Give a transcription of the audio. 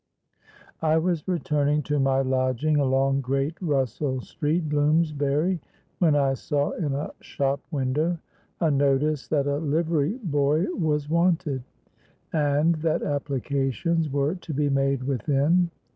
I was returning to my lodging along Great Russell Street, Bloomsbury, when I saw in a shop window a notice that a livery boy was wanted, and that applications were to be made within.